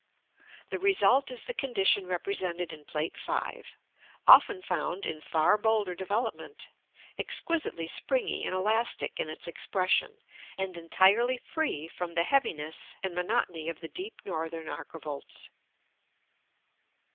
The result is the condition represented in Plate V., often found in far bolder development; exquisitely springy and elastic in its expression, and entirely free from the heaviness and monotony of the deep northern archivolts.